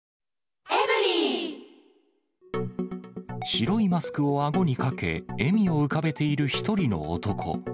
白いマスクをあごにかけ、笑みを浮かべている一人の男。